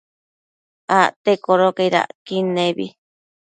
Acte codocaid acquid nebi